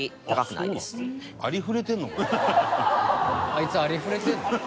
あいつありふれてるの？